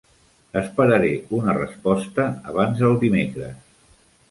Esperaré una resposta abans del dimecres.